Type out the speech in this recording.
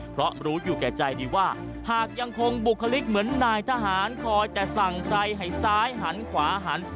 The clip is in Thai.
เพราะรู้อยู่แก่ใจดีว่าหากยังคงบุคลิกเหมือนนายทหารคอยแต่สั่งใครให้ซ้ายหันขวาหัน